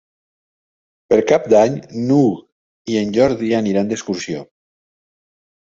Per Cap d'Any n'Hug i en Jordi aniran d'excursió.